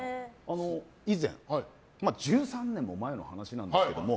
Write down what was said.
以前、１３年も前の話なんですけども。